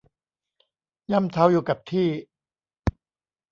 ย่ำเท้าอยู่กับที่